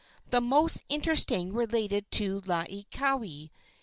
The most interesting related to Laieikawai.